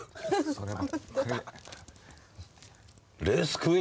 それは。